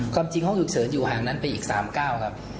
ความจริงห้องฉุกเฉินอยู่ห่างนั้นไปอีก๓ก้าวครับ